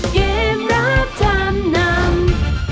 เกมรับจำนำ